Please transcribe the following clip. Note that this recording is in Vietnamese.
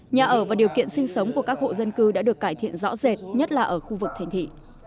nhà ở và điều kiện sinh sống của các hộ dân cư đã được cải thiện rõ rệt nhất là ở khu vực thành thị